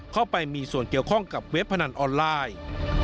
เข้าไปมีส่วนเกี่ยวข้องกับเว็บพนันออนไลน์